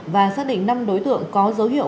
và xác định năm đối tượng có dấu hiệu